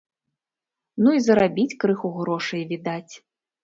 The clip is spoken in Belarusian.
Ну, і зарабіць крыху грошай, відаць.